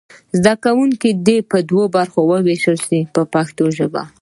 زده کوونکي دې په دوو ډلو وویشئ په پښتو ژبه.